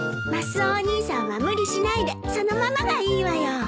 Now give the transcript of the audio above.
マスオお兄さんは無理しないでそのままがいいわよ。